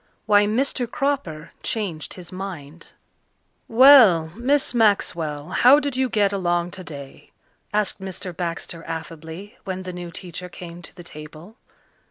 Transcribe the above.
Why Mr. Cropper Changed His Mind "Well, Miss Maxwell, how did you get along today?" asked Mr. Baxter affably, when the new teacher came to the table.